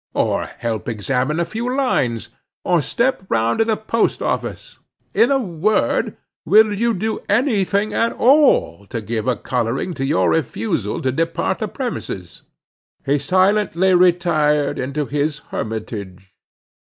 or help examine a few lines? or step round to the post office? In a word, will you do any thing at all, to give a coloring to your refusal to depart the premises?" He silently retired into his hermitage.